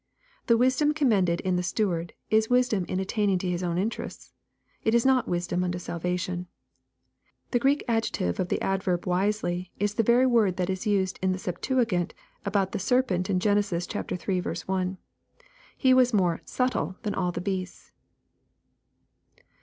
'* The wisdom commended in the steward, is wisdom in attending to his own interests. It is not wisdom unto salvation. The Q reek adjective of the adverb " wisely," is the very word that is used in the Septuagint about the serpent in Genesis iii. 1 :'* He was more * svbUe^ than all the beasts."